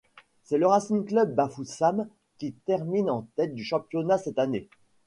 C'est le Racing Club Bafoussam qui termine en tête du championnat cette année.